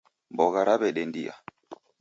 Mbogha raw'edendia